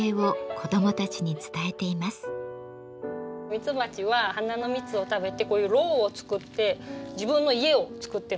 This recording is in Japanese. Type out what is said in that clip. ミツバチは花の蜜を食べてこういうろうを作って自分の家を作ってます。